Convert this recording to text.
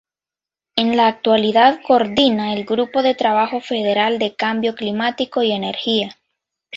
En la actualidad coordina el grupo de trabajo federal de Cambio Climático y Energía.